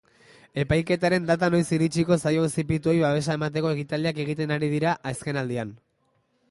Epaiketaren data noiz iritsiko zaie auzipetuei babesa emateko ekitaldiak egiten ari dira azkenaldian.